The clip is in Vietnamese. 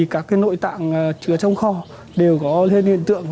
các nội tạng chứa trong kho đều có thêm hiện tượng